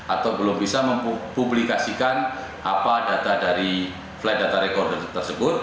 atau belum bisa mempublikasikan apa data dari flight data recorder tersebut